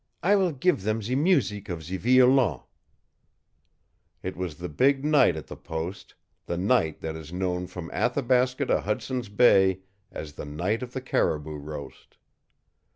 I will give them ze museek of ze violon." It was the big night at the post the night that is known from Athabasca to Hudson's Bay as the night of the caribou roast.